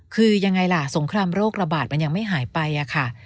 คือยังไงล่ะสงครามโรคระบาดมันยังไม่หายไปค่ะ